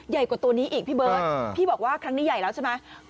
ใหญ่กว่าตัวนี้อีกพี่เบิร์ตพี่บอกว่าครั้งนี้ใหญ่แล้วใช่ไหม